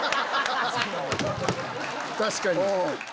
確かに！